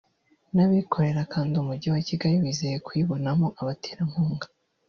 n’abikorera kandi umujyi wa Kigali wizeye kuyibonamo abaterankunga